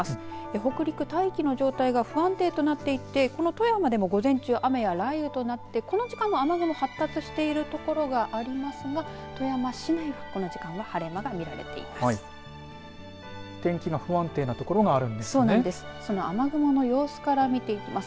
北陸、大気の状態が不安定となっていてこの富山でも午前中雨や雷雨となってこの時間は雨雲が発達している所がありますが富山市内はこの時間は晴れ間が見られています。